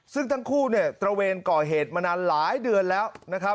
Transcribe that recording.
ซึ่งทั้งคู่ตระเวนก่อเหตุมานานหลายเดือนแล้ว